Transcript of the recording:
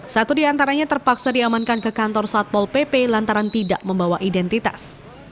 satu di antaranya terpaksa diamankan ke kantor satpol pp lantaran tidak membawa identitas